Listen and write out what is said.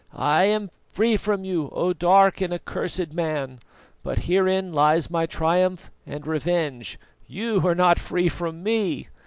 I am free from you, O dark and accursed man; but herein lies my triumph and revenge you are not free from me.